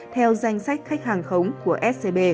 theo danh sách khách hàng khống của scb